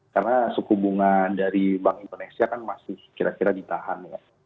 karena suku bunga dari bank indonesia kan masih kira kira ditahan ya